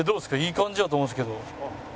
いい感じやと思うんですけど。